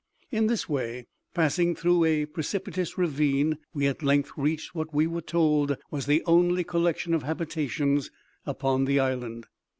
In this way, passing through a precipitous ravine, we at length reached what we were told was the only collection of habitations upon the island.